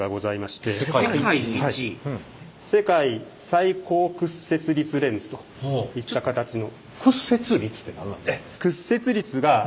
世界最高屈折率レンズといった形の。